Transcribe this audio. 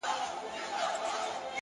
علم د انسان قدر لوړوي.!